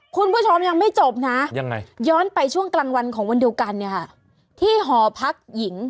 คุณผู้ชมยังไม่จบนะยังไงย้อนไปช่วงกลางวันของวันเดียวกันเนี่ยค่ะที่หอพักหญิง